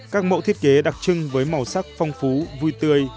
các mẫu thiết kế đặc trưng với màu sắc phong phú vui tươi